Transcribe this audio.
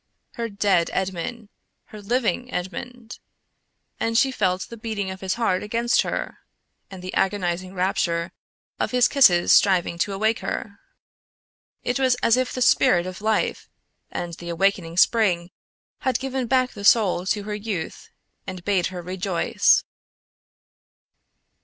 Her dead Edmond; her living Edmond, and she felt the beating of his heart against her and the agonizing rapture of his kisses striving to awake her. It was as if the spirit of life and the awakening spring had given back the soul to her youth and bade her rejoice.